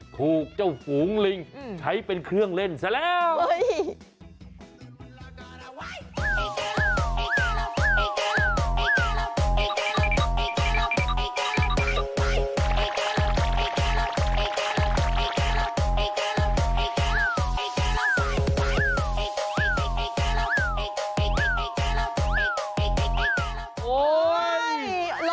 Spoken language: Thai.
ถูกเจ้าฝูงลิงใช้เป็นเครื่องเล่นซะแล้ว